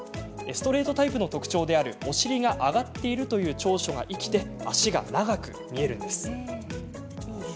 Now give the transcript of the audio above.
ストレートタイプの特徴であるお尻が上がっているという長所が生きて脚が長く見えるんです。